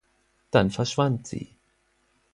Dann verschwand sie.